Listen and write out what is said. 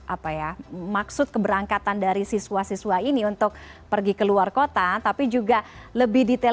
apa ya maksud keberangkatan dari siswa siswa ini untuk pergi ke luar kota tapi juga lebih detail